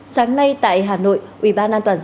sáng nay tại hà nội ubndgqg